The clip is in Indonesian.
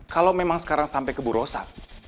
kalau memang sekarang sampai keburosan